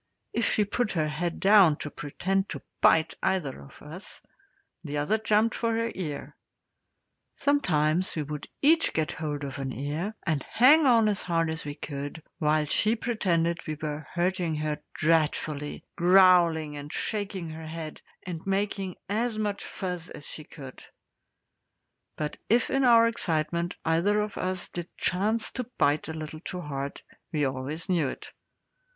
If she put her head down to pretend to bite either of us, the other jumped for her ear. Sometimes we would each get hold of an ear, and hang on as hard as we could, while she pretended we were hurting her dreadfully, growling and shaking her head, and making as much fuss as she could; but if in our excitement either of us did chance to bite a little too hard, we always knew it.